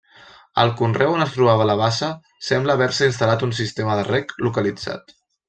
Al conreu on es trobava la bassa sembla haver-se instal·lat un sistema de reg localitzat.